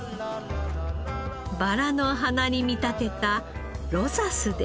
バラの花に見立てたロザスです。